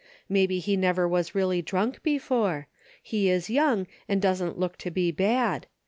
Maybe he never was really drunk before. He is young and doesn't look to be bad.